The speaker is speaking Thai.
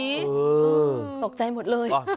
คือตกใจหมดเลย